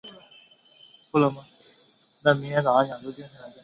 卢莫人口变化图示